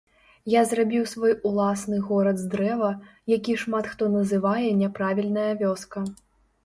Я зрабіў свой уласны горад з дрэва, які шмат хто называе няправільная вёска.